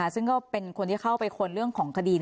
ซึ่งก็เป็นคนที่เข้าไปค้นเรื่องของคดี